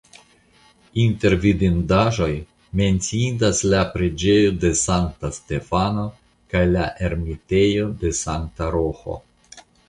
Inter vidindaĵoj menciindas la preĝejo de Sankta Stefano kaj la ermitejo de Sankta Roĥo.